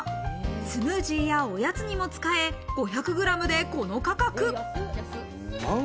スムージーやおやつにも使え、５００ｇでこの価格。